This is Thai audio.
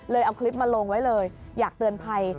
เอาคลิปมาลงไว้เลยอยากเตือนภัย